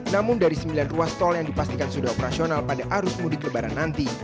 namun dari sembilan ruas tol yang dipastikan sudah operasional pada arus mudik lebaran nanti